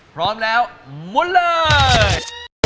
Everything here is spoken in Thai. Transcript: พร้อมแล้วมุนเลย